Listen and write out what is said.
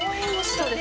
そうです。